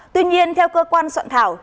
tuy nhiên theo cơ quan soạn thảo